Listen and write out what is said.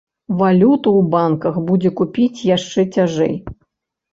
Валюту ў банках будзе купіць яшчэ цяжэй.